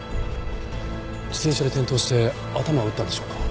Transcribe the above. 自転車で転倒して頭を打ったんでしょうか？